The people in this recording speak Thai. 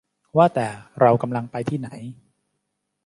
ว่าแต่เรากำลังไปทีไ่หน